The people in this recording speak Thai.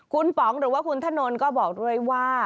คุณป๋องหรือว่าคุณถนนก็บอกด้วยว่า